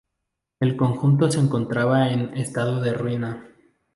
El Conjunto se encontraba en estado de ruina.